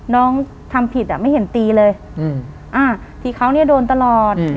น้องทำผิดอ่ะไม่เห็นตีเลยอืมอ่าทีเขาเนี้ยโดนตลอดอืม